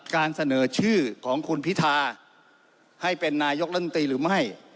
คุณพิธาให้เป็นนายกรังตีหรือไม่